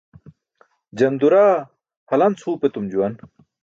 Janduraa halanc huup etum juwan.